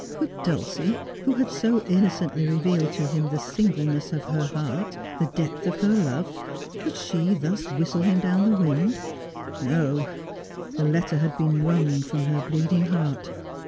Could Dulcie, who had so innocently revealed to him the single ness of her heart, the depth of her love, could she thus whistle him down the wind 1 No ; the letter had been wrung from her bleeding heart.